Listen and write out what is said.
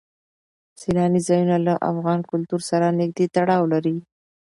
سیلاني ځایونه له افغان کلتور سره نږدې تړاو لري.